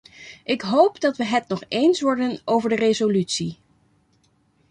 Ik hoop dat we het nog eens worden over de resolutie.